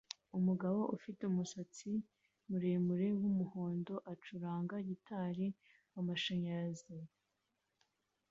Umugabo ufite umusatsi muremure wumuhondo ucuranga gitari yamashanyarazi